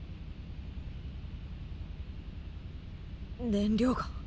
燃料が。